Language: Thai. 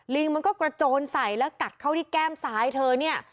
ลิงมันก็กระโจนใส่แล้วกัดเข้าที่แก้มซ้ายเธอเนี่ย